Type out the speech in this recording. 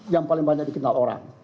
yang paling banyak dikenal orang